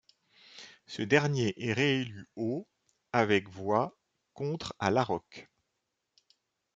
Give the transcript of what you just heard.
Ce dernier est réélu au avec voix contre à Laroque.